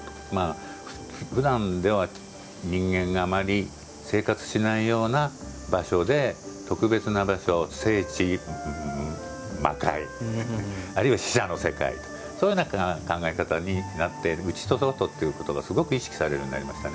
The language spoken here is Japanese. ふだんでは人間があまり生活しないような場所で特別な場所を聖地、魔界あるいは死者の世界というような考え方になって内と外というのがすごい意識されるようになりました。